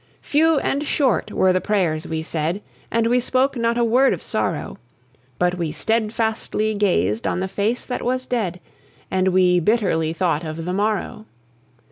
Few and short were the prayers we said, And we spoke not a word of sorrow; But we steadfastly gazed on the face that was dead, And we bitterly thought of the morrow.